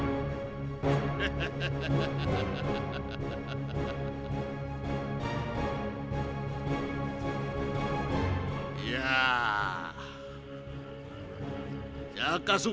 seluruh dunia dan orang asli